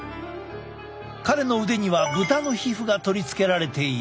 彼の腕にはぶたの皮膚が取り付けられている。